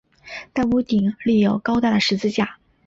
但屋顶立有高大的十字架。